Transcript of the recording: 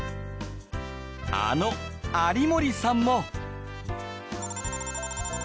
あの有森さんも。